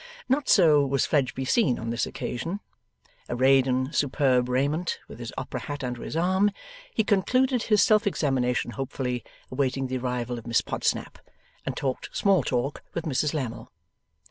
Not so was Fledgeby seen on this occasion. Arrayed in superb raiment, with his opera hat under his arm, he concluded his self examination hopefully, awaited the arrival of Miss Podsnap, and talked small talk with Mrs Lammle.